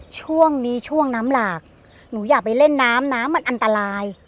ช่วงนี้ช่วงน้ำหลากหนูอย่าไปเล่นน้ำน้ำมันอันตราย